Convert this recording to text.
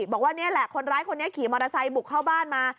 บอกว่านี่แหละคนร้ายคนนี้ขี่มอเตอร์ไซค์บุกเข้าบ้านมา